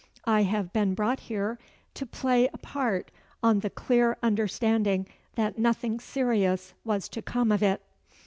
I have been brought here to play a part, on the clear understanding that nothing serious was to come of it."